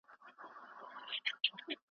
خلک د مالونو په ذخیره کولو بوخت دي.